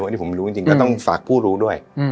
อันนี้ผมรู้จริงก็ต้องฝากผู้รู้ด้วย